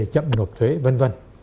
chậm nộp thuế v v